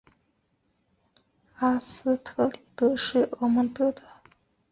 挪威国王奥拉夫二世的妻子阿斯特里德是厄蒙德的同父同母妹妹。